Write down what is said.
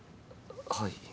はい。